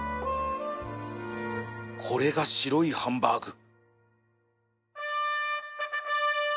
これが白いハンバーグ